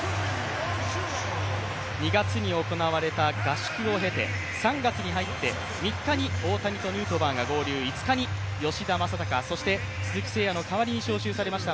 ２月に行われた合宿を経て３月に入って３日に大谷とヌートバーが合流、５日に吉田正尚、そして鈴木誠也の代わりに招集されました